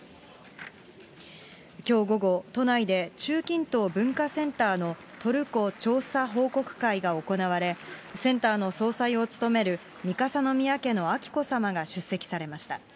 きょう午後、都内で中近東文化センターのトルコ調査報告会が行われ、センターの総裁を務める三笠宮家の彬子さまが出席されました。